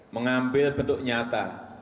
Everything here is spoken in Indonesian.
mengambil bentuk nyata